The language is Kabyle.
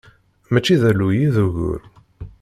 Mačči d alluy i d ugur.